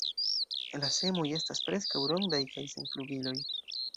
La semoj estas preskaŭ rondaj kaj sen flugiloj.